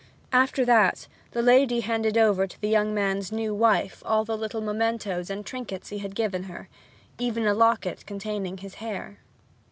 After that the lady handed over to the young man's new wife all the little mementoes and trinkets he had given herself; even to a locket containing his hair.